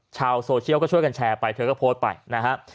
ชาวโซเชียลก็ช่วยกันแชร์ไปเธอก็โพสต์ไปนะฮะ